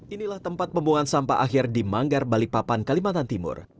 inilah tempat pembuangan sampah akhir di manggar balikpapan kalimantan timur